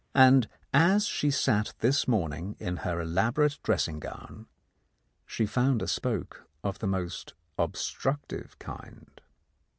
And as she sat this morning in her elaborate dressing gown, she found a spoke of the most obstructive kind.